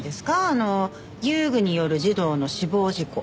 あの遊具による児童の死亡事故。